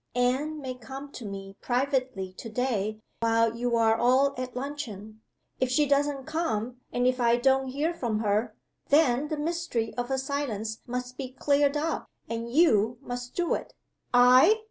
Anne may come to me privately to day while you are all at luncheon. If she doesn't come and if I don't hear from her, then the mystery of her silence must be cleared up; and You must do it!" "I!"